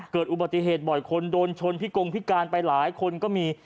เกิดอุบัติเหตุบ่อยคนโดนชนพิกงพิการไปหลายคนก็มี